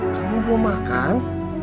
kamu belum makan